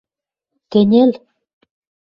– Кӹньӹл!